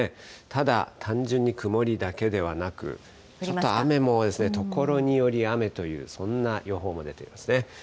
ただ単純に曇りだけではなく、ちょっと雨も、所により雨という、そんな予報も出ていますね。